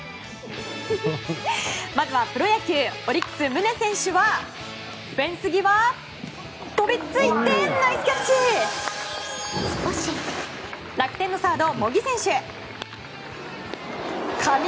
まずはプロ野球オリックス、宗選手はフェンス際、飛びついてナイスキャッチ。